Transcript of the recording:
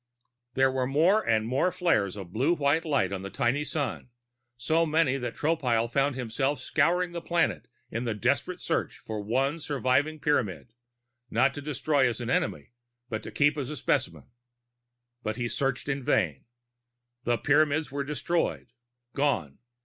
There were more and more flares of blue white light on the tiny sun so many that Tropile found himself scouring the planet in a desperate search for one surviving Pyramid not to destroy as an enemy, but to keep for a specimen. But he searched in vain. The Pyramids were destroyed, gone.